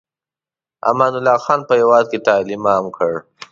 امان الله خان په هېواد کې تعلیم عام کړ.